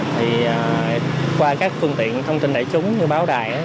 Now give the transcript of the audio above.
thì qua các phương tiện thông tin đại chúng như báo đài